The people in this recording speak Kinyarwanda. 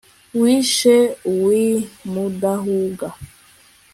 wishe uw'i mudahuga